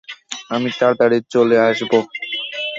আমি তাড়াতাড়িই চলে আসবো।